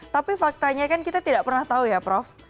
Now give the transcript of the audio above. tapi faktanya kan kita tidak pernah tahu ya prof